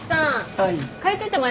はい。